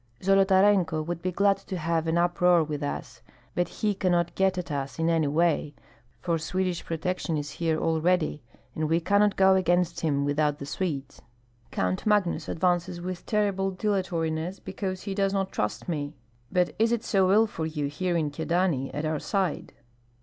"Zolotarenko would be glad to have an uproar with us, but he cannot get at us in any way, for Swedish protection is here already, and we cannot go against him without the Swedes. Count Magnus advances with terrible dilatoriness because he does not trust me. But is it so ill for you here in Kyedani at our side?"